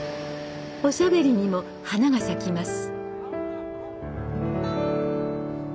おしゃべりにも花が咲きます。